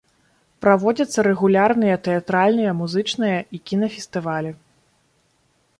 Праводзяцца рэгулярныя тэатральныя, музычныя і кінафестывалі.